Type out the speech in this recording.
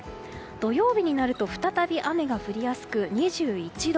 土曜日になると再び雨が降りやすく２１度。